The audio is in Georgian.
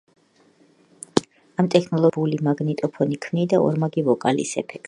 ამ ტექნოლოგიის ორი სინქრონიზებული მაგნიტოფონი ქმნიდა ორმაგი ვოკალის ეფექტს.